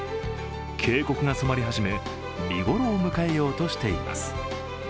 渓谷が染まり始め、見頃を迎えようとしています。